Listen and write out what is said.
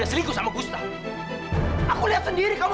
siapa yang teriak teriak